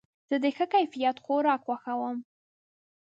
زه د ښه کیفیت خوراک خوښوم.